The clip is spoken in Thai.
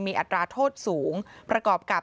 มีอัตราโทษสูงประกอบกับ